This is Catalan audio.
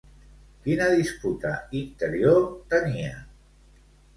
Quina disputa interior tenia?